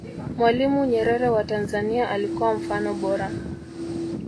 mwalimu nyerere wa tanzania alikuwa mfano bora